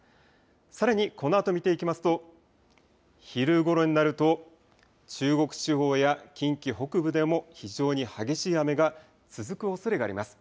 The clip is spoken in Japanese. さらに、このあと見ていきますと昼ごろになると中国地方や近畿北部でも非常に激しい雨が続くおそれがあります。